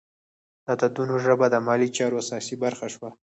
د عددونو ژبه د مالي چارو اساسي برخه شوه.